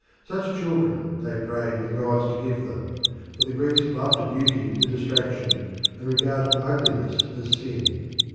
Such children they prayed the gods to give them, for the Greeks loved beauty to distraction, and regarded ugliness as sin.